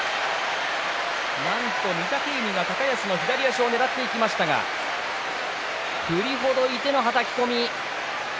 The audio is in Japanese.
なんと御嶽海が高安の左足をねらっていきましたが振りほどいてのはたき込み。